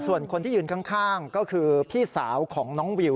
ส่วนคนที่ยืนข้างก็คือพี่สาวของน้องวิว